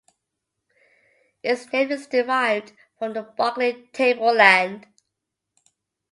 Its name is derived from the Barkly Tableland.